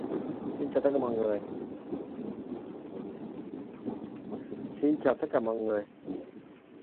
Ngôn từ hối hả liêu xiêu